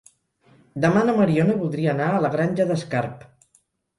Demà na Mariona voldria anar a la Granja d'Escarp.